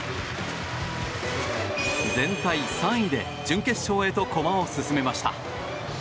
全体３位で準決勝へと駒を進めました。